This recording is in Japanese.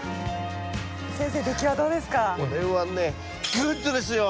先生出来はどうですか？